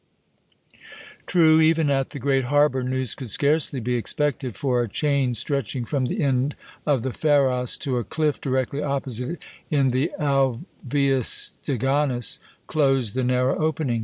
True, even at the great harbour, news could scarcely be expected, for a chain stretching from the end of the Pharos to a cliff directly opposite in the Alveus Steganus, closed the narrow opening.